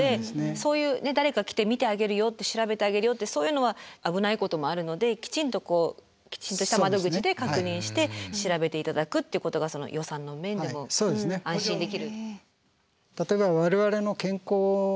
そういう誰か来て見てあげるよって調べてあげるよってそういうのは危ないこともあるのできちんとこうきちんとした窓口で確認して調べて頂くってことが予算の面でも安心できる。